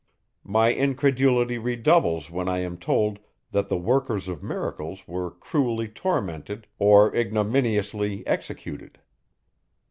My incredulity redoubles, when I am told, that the workers of miracles were cruelly tormented, or ignominiously executed.